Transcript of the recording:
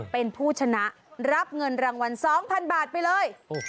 เป็นผู้ชนะรับเงินรางวัล๒๐๐๐บาทไปเลย